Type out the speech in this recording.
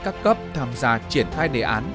các cấp tham gia triển khai đề án